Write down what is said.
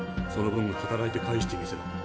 その分働いて返してみせろ。